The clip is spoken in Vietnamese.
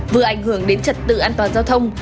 vừa ảnh hưởng đến trật tự an toàn giao thông